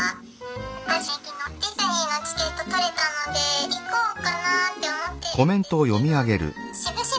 私昨日ディズニーのチケット取れたので行こうかなって思ってるんですけど。